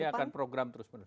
ini akan program terus menerus